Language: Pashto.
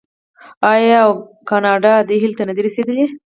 آیا او کاناډا دې هیلې ته نه ده رسیدلې؟